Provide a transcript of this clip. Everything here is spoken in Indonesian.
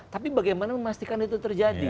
tapi bagaimana memastikan itu terjadi